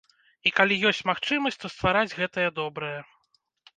І калі ёсць магчымасць, то ствараць гэтае добрае.